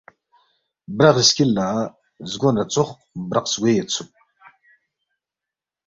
برغی سکِل لہ زگو نہ ژوخ برق زگوے یودسُوک